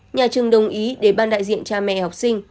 nhà trường đồng ý để ban đại diện cha mẹ học sinh